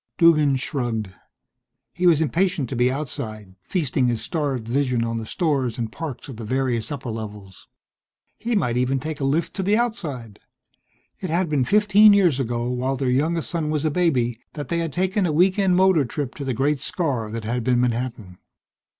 Duggan shrugged. He was impatient to be outside, feasting his starved vision on the stores and parks of the various upper levels. He might even take a lift to the Outside. It had been fifteen years ago, while their youngest son was a baby, that they had taken a weekend motor trip to the great scar that had been Manhattan.